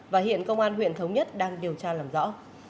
và hiện công an huyện thống nhất đang điều tra làm rõ